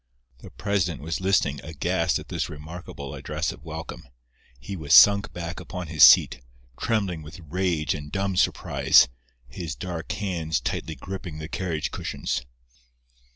The president was listening, aghast, at this remarkable address of welcome. He was sunk back upon his seat, trembling with rage and dumb surprise, his dark hands tightly gripping the carriage cushions.